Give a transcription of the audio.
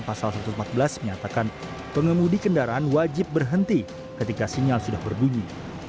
pasal satu ratus empat belas menyatakan pengemudi kendaraan wajib berhenti ketika sinyal sudah berbunyi